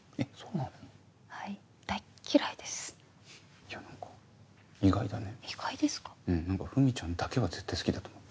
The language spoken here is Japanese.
うん何かふみちゃんだけは絶対好きだと思ってた。